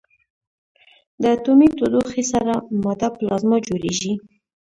د اټومي تودوخې سره ماده پلازما جوړېږي.